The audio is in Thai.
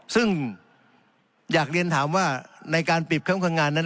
ซึ่งอยากเรียนถามว่าในการปิดแคมปังงานนั้น